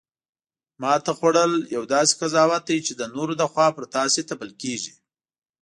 ماتې خوړل یو داسې قضاوت دی چې د نورو لخوا پر تاسې تپل کیږي